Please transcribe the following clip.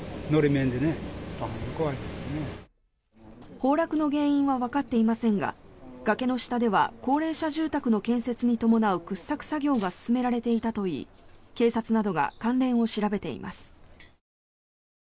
崩落の原因はわかっていませんが崖の下では高齢者住宅の建設に伴う掘削作業が進められていたといい警察などが関連を調べています。